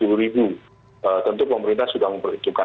jadi tentu pemerintah sudah memperhitungkan